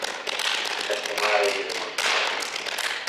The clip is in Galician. Este mar élle de moito sal.